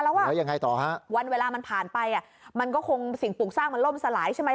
แล้วยังไงต่อฮะวันเวลามันผ่านไปมันก็คงสิ่งปลูกสร้างมันล่มสลายใช่ไหม